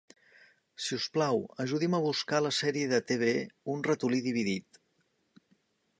Si us plau ajudi'm a buscar la sèrie de TV un ratolí dividit.